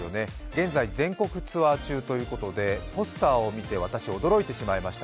現在全国ツアー中でポスターを見て私、驚いてしまいました。